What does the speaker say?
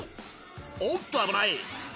おっと危ない！